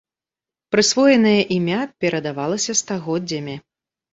Прысвоенае імя перадавалася стагоддзямі.